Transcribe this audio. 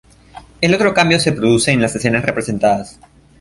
El otro cambio se produce en las escenas representadas.